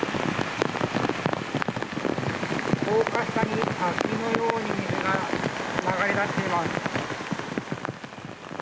高架下に、滝のように水が流れ出しています。